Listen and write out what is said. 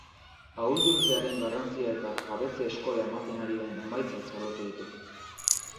Ahalduntzearen garrantzia eta jabetze eskola ematen ari den emaitza txalotu ditu.